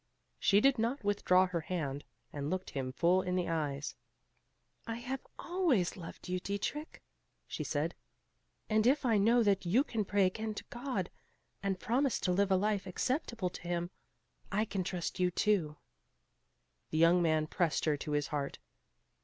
She did not withdraw her hand, and looked him full in the eyes. "I have always loved you, Dietrich," she said, "and if I know that you can pray again to God, and promise to live a life acceptable to Him, I can trust you too." The young man pressed her to his heart.